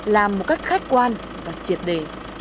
làm một cách khách quan và triệt đề